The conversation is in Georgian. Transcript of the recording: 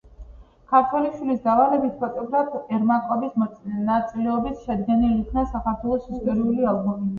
ქართველიშვილის დავალებით, ფოტოგრაფ ერმაკოვის მონაწილეობით, შედგენილ იქნა საქართველოს ისტორიული ალბომი.